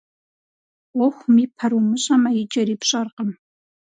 Ӏуэхум и пэр умыщӀэмэ, и кӀэри пщӀэркъым.